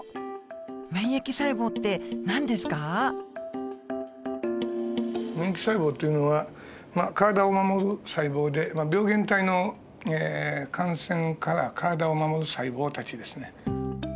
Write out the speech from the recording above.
免疫細胞っていうのは体を守る細胞で病原体の感染から体を守る細胞たちですね。